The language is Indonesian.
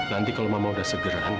nanti kalau mama udah segera